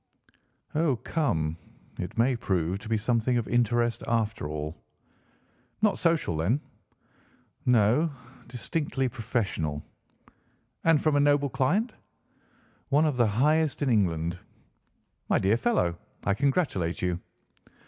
"Oh, come, it may prove to be something of interest, after all." "Not social, then?" "No, distinctly professional." "And from a noble client?" "One of the highest in England." "My dear fellow, I congratulate you."